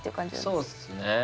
そうっすね。